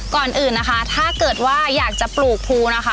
ก่อนอื่นน่ะค่ะถ้าเกิดอยากจะปลูกภู